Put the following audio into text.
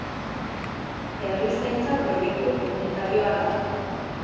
Herrizaintza proiektu komunitarioa da